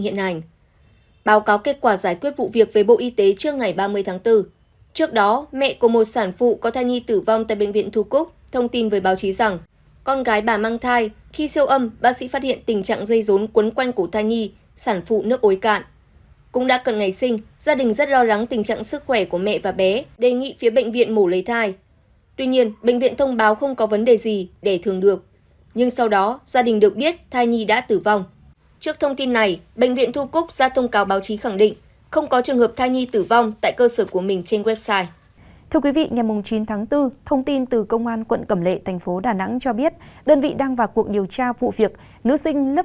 thưa quý vị ngày chín tháng bốn thông tin từ công an quận cẩm lệ tp đà nẵng cho biết đơn vị đang vào cuộc điều tra vụ việc nữ sinh lớp sáu bị ghép mặt với ảnh nóng để đe dọa